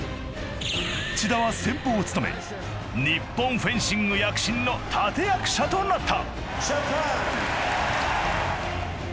千田は先鋒を務め日本フェンシング躍進の立て役者となった。